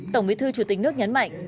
tổng bí thư chủ tịch nước nhấn mạnh